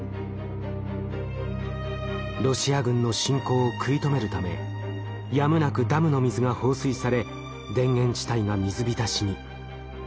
ロシア軍の侵攻を食い止めるためやむなくダムの水が放水され田園地帯が水浸しに。